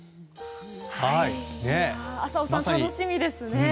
浅尾さん、楽しみですね。